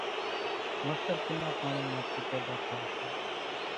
مسر ڪِنا پاڻِي مان ٿِي پيۮا ٿائيَ سي۔